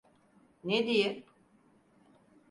Ne diye?